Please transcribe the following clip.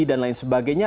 dan lain sebagainya